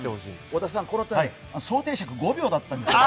織田さん、想定尺５秒だったんですよ。